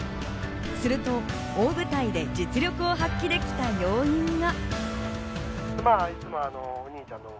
すると大舞台で実力を発揮できた要因が。